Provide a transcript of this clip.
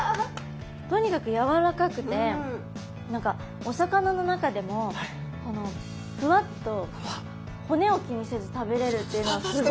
とにかくやわらかくて何かお魚の中でもふわっと骨を気にせず食べれるっていうのがすごい